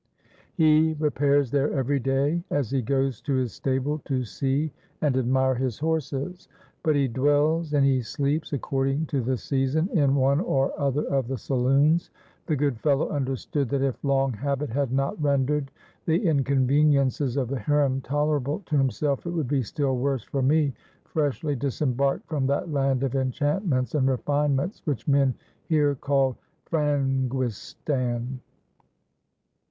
He repairs there every day, as he goes to his stable to see and admire his horses; but he dwells and he sleeps, according to the season, in one or other of the saloons. The good fellow understood that if long habit had not rendered the inconveniences of the harem tolerable to himself, it would be still worse for me, freshly disembarked from that land of enchantments and refinements which men here call 'Franguistan.'